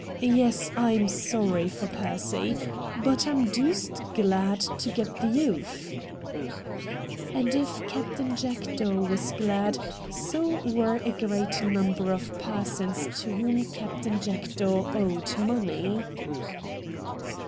Yes, I'm sorry for Percy, but I'm deuced glad to get the oof.' And if Captain Jackdaw was glad so were VOL. I. p 2IO RED DIAMONDS a great number of persons to whom Captain Jackdaw owed money.